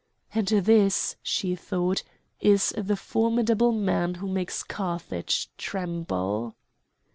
"And this," she thought, "is the formidable man who makes Carthage tremble!"